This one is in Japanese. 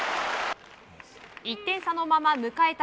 １点差のまま迎えた